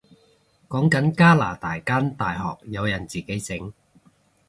講緊加拿大間大學有人自己整